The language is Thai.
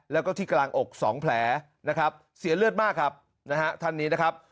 แล้วก็ที่กลางอก๒แผลนะครับเสียเลือดมากครับนะฮะท่านนี้นะครับ